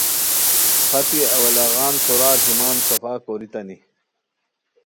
پھتی اولاغان سورار ہیمان صفا کوریتانی